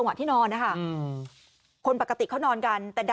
กลุ่มหนึ่งก็คือ